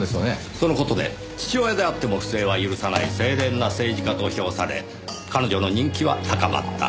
その事で父親であっても不正は許さない清廉な政治家と評され彼女の人気は高まった。